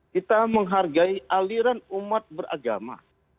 kita menghargai aliran umat beragama